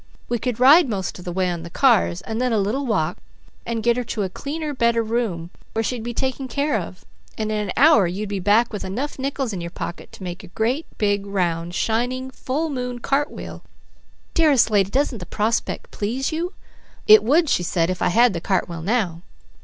We could ride most of the way on the cars and then a little walk, and get her to a cleaner, better room, where she'd be taken care of, and in an hour you'd be back with enough nickels in your pocket to make a great, big, round, shining, full moon cartwheel. Dearest lady, doesn't the prospect please you?" "It would," she said, "if I had the cartwheel now."